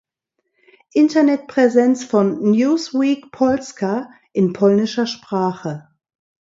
Internetpräsenz von Newsweek Polska in polnischer Sprache